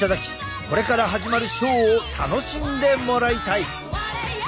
これから始まるショーを楽しんでもらいたい！